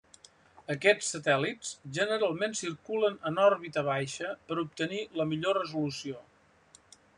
Aquests satèl·lits generalment circulen en òrbita baixa per obtenir la millor resolució.